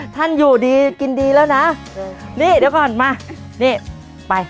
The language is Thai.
ท่านอยู่ดีกินดีแล้วนะนี่เดี๋ยวก่อนมานี่ไป